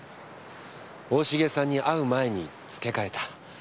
大重さんに会う前に付け替えた。